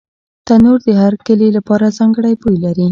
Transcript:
تنور د هر کلي خپل ځانګړی بوی لري